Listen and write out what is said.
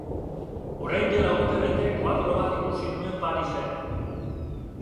Orain dela urtebete koadro bat ikusi nuen Parisen.